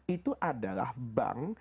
itu adalah bank